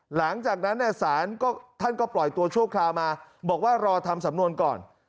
หลังจากนั้นเนื้อสารท่านก็ปล่อยตัวโชคคลามาบอกว่ารอทำสำนวนก่อน